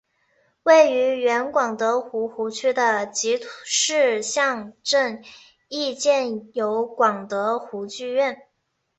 位于原广德湖湖区的集士港镇亦建有广德湖剧院。